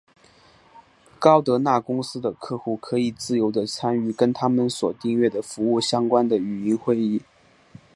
高德纳公司的客户可以自由的参与跟它们所订阅的服务相关的语音会议。